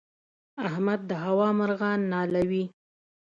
احمد د هوا مرغان نالوي.